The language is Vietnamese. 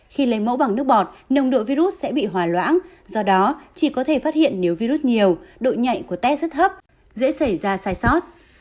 khi lấy mẫu bằng nước bọt nồng độ virus sẽ bị hòa loãng do đó chỉ có thể phát hiện nếu virus nhiều độ nhạy của test rất thấp dễ xảy ra sai sót